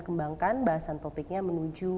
kembangkan bahasan topiknya menuju